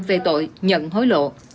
về tội nhận hối lộ